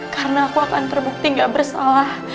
karena aku akan terbukti gak bersalah